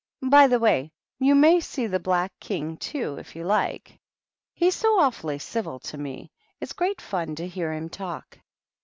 By the way, you may see the Black King, too, if you like; he's so awfully civil to me ; it's great fun to hear him talk."